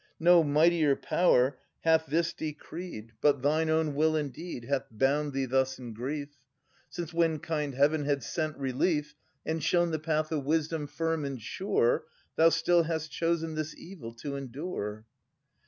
No mightier power hath this decreed, ■Si 3o6 Philodetes [1098 1127 But thine own will and deed Hath bound thee thus in grief, Since, when kind Heaven had sent relief And shown the path of wisdom firm and sure, Thou still hast chosen this evil to endure.